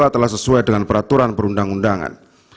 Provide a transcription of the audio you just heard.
telah sesuai dengan peraturan perundang undangan